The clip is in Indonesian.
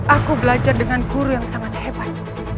aku belajar dengan guru yang sangat hebat